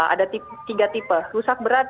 ada tiga tipe rusak berat